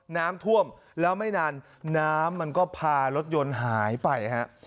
น้ำท่วมแล้วไม่นานน้ำมันก็พารถยนต์หายไปฮะ